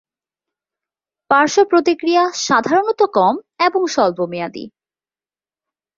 পার্শ্ব প্রতিক্রিয়া সাধারণত কম এবং স্বল্প মেয়াদী।